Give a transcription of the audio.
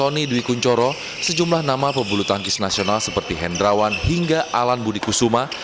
dan sony dwi kunchoro sejumlah nama pembulu tangkis nasional seperti hendrawan hingga alan budi kusuma